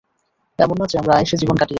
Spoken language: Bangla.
এমন না যে আমরা আয়েশে জীবন কাটয়েছি।